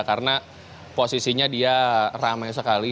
karena posisinya dia ramai sekali